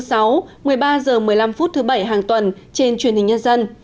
một mươi ba h một mươi năm phút thứ bảy hàng tuần trên truyền hình nhân dân